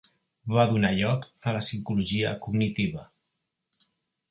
Va donar lloc a la psicologia cognitiva.